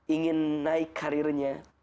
ingin naik karirnya